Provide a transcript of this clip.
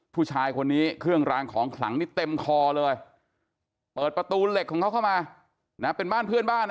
ผู้ชายคนนี้เครื่องรางของขลังนี่เต็มคอเลยเปิดประตูเหล็กของเขาเข้ามานะเป็นบ้านเพื่อนบ้าน